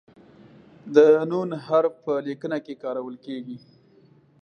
د "ن" حرف په لیکنه کې کارول کیږي.